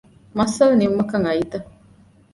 މައްސަލަ ނިމުމަކަށް އައީތަ؟